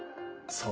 そう。